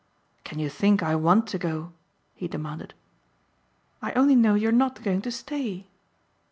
"Can you think I want to go?" he demanded. "I only know you are not going to stay."